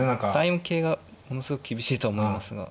３四桂がものすごく厳しいとは思いますが。